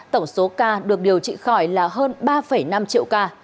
tổng số ca được điều trị khỏi là hơn ba năm triệu ca